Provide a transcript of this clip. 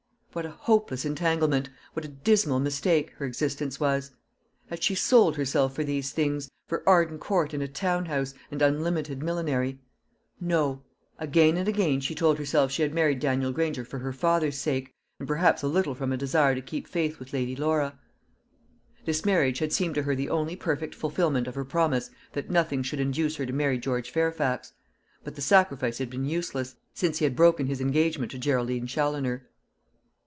What a hopeless entanglement, what a dismal mistake, her existence was! Had she sold herself for these things for Arden Court and a town house, and unlimited millinery? No; again and again she told herself she had married Daniel Granger for her father's sake, and perhaps a little from a desire to keep faith with Lady Laura. This marriage had seemed to her the only perfect fulfilment of her promise that nothing should induce her to marry George Fairfax. But the sacrifice had been useless, since he had broken his engagement to Geraldine Challoner.